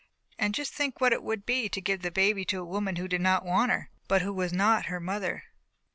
"And just think what it would be to give the baby to a woman who not only did not want her, but who was not her mother.